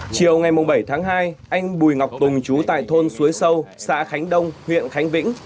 chiều ngày bảy tháng hai anh bùi ngọc tùng chú tại thôn suối sâu xã khánh đông huyện khánh vĩnh